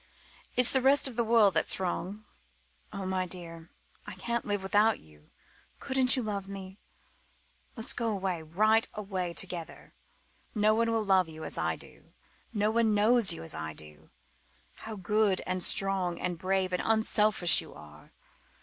It's the rest of the world that's wrong. Oh, my dear I can't live without you. Couldn't you love me? Let's go away right away together. No one will love you as I do. No one knows you as I do how good and strong and brave and unselfish you are.